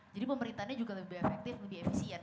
jadi pemerintahnya juga lebih efektif lebih efisien